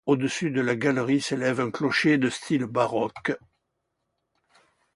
Au-dessus de la galerie s'élève un clocher de style baroque.